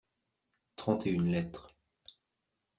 Trente et une lettres.